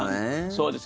そうです。